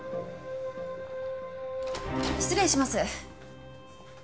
失礼します。